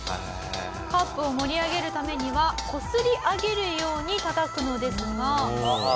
「カップを盛り上げるためにはこすり上げるように叩くのですが」